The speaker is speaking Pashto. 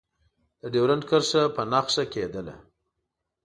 د ډیورنډ کرښه په نښه کېدله.